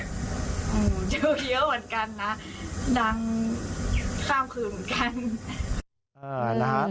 โอ้โหเยอะเหมือนกันนะดังข้ามคืนเหมือนกัน